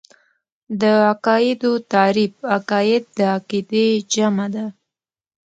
د عقايدو تعريف عقايد د عقيدې جمع ده .